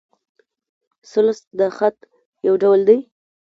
ثلث د خط؛ یو ډول دﺉ.